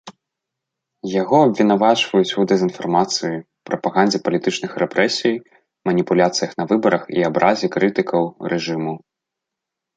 Яго абвінавачваюць у дэзінфармацыі, прапагандзе палітычных рэпрэсій, маніпуляцыях на выбарах і абразе крытыкаў рэжыму.